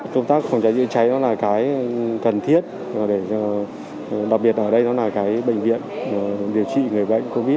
công tác phòng cháy cháy nó là cái cần thiết đặc biệt ở đây nó là cái bệnh viện điều trị người bệnh covid